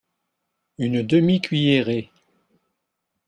Une demi-cuillerée.